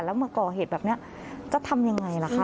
แล้วมาก่อเหตุแบบนี้จะทำยังไงล่ะคะ